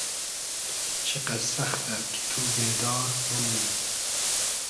چیقئس سئختۂ کی تو بېدار بومنی